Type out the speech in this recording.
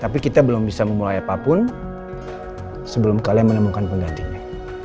tapi kita belum bisa memulai apapun sebelum kalian menemukan penggantinya